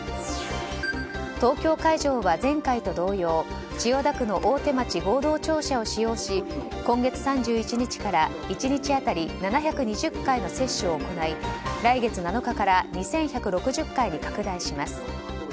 東京会場は前回と同様千代田区の大手町合同庁舎を使用し今月３１日から１日当たり７２０回の接種を行い来月７日から２１６０回に拡大します。